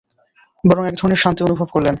বরং একধরনের শান্তি অনুভব করলেন।